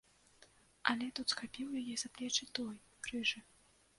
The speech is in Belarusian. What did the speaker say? Але тут схапіў яе за плечы той, рыжы.